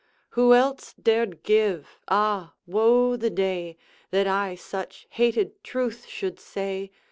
Who else dared give ah! woe the day, That I such hated truth should say!